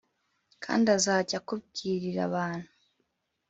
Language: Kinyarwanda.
Kandi azajya akubwirira abantu